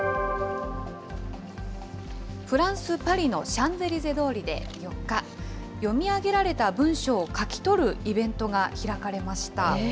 フランス・パリのシャンゼリゼ通りで４日、読み上げられた文章を書き取るイベントが開かれました。